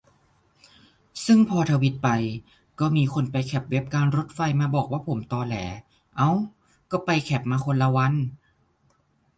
ซึ่งพอทวีตไป ก็มีคนไปแคปเว็บการรถไฟมาบอกว่าผมตอแหล เอ้า ก็ไปแคปมาคนละวัน